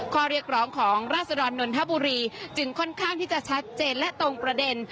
ข้อเรียกร้องของราศดรนนทบุรีจึงค่อนข้างที่จะชัดเจนและตรงประเด็น